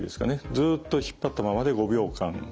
ずっと引っ張ったままで５秒間。